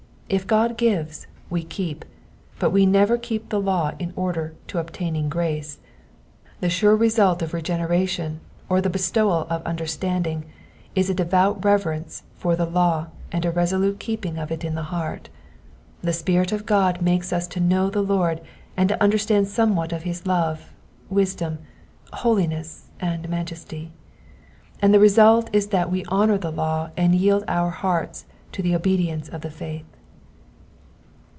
If God gives, we keep ; but we never keep the law in order to obtaining grace. The sure result of regeneration, or the bestowal of understanding, is a devout reverence for the law and a resolute keeping of it in the heart. The Spirit of God makes us to know the Lord and to understand somewhat of his love, wisdom, holiness, and majesty ; and the result is that we honour the law and yield our hearts to the obedience of the faith.